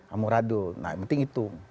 amuradul nah yang penting itu